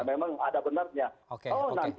memang ada benarnya